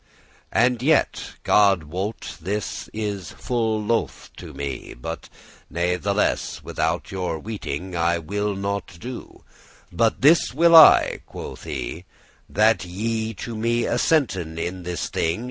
* *please "And yet, God wot, this is full loth* to me: *odious But natheless withoute your weeting* *knowing I will nought do; but this will I," quoth he, "That ye to me assenten in this thing.